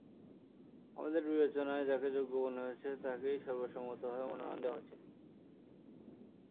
আমাদের বিবেচনায় যাকে যোগ্য মনে হয়েছে তাকেই সর্বসম্মতভাবে মনোনয়ন দেওয়া হয়েছে।